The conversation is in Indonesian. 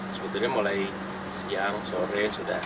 sebetulnya mulai siang sore sudah